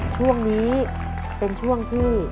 ช่วงนี้เป็นช่วงที่